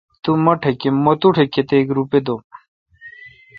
مہ تو ٹھ کتیک روپے دوم۔